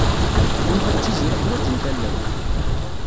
Yuba d Tiziri ḥwajen tallalt.